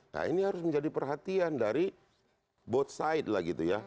nah ini harus menjadi perhatian dari both side lah gitu ya